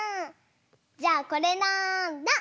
じゃあこれなんだ？